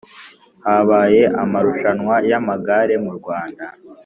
Habaye amarushanwa y’amagare mu Rwanda